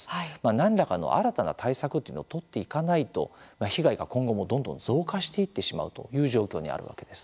何らかの新たな対策というのを取っていかないと、被害が今後もどんどん増加していってしまうという状況にあるわけです。